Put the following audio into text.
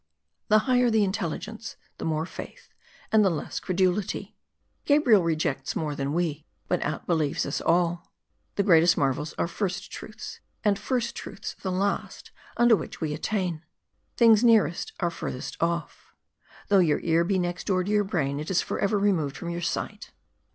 The higher the intelligence, the more faith, and the less credulity : Gabriel rejects more than we, but out believes us all. The greatest marvels are first truths ; and first truths the last unto which we attain. Things nearest are furthest ofF. Though your ear be next door to your brain, it is for ever removed from your sight.